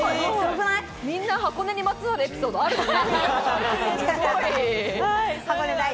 みんな箱根にまつわるエピソードがあるんですね。